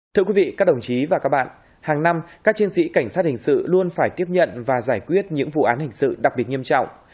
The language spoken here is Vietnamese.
thưa quý vị các đồng chí và các bạn hàng năm các chiến sĩ cảnh sát hình sự luôn phải tiếp nhận và giải quyết những vụ án hình sự đặc biệt nghiêm trọng